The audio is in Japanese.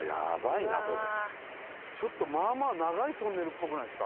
ちょっとまあまあ長いトンネルっぽくないですか？